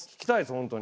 本当に。